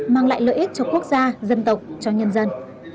mang lại lợi ích cho quốc gia dân tộc cho nhân dân